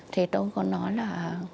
thì tôi có nói là